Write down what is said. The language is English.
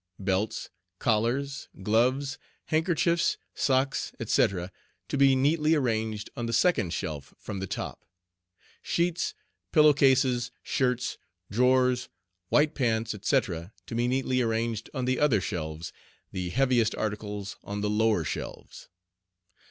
BELTS, COLLARS, GLOVES, HANDKERCHIEFS, SOCKS, etc., to be neatly arranged on the second shelf from the top. SHEETS, PILLOW CASES, SHIRTS, DRAWERS, WHITE PANTS, etc., to be neatly arranged on the other shelves, the heaviest articles on the lower shelves.